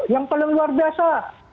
yang paling luar biasa